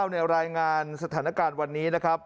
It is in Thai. ในรายงานสถานการณ์วันนี้นะครับ